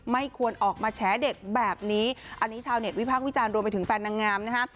ไม่ควรออกมาแฉเด็กแบบนี้อันนี้ชาวเน็ตวิพากษ์วิจารณ์รวมไปถึงแฟนนางงามนะฮะ